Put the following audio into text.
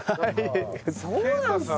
そうなんですね！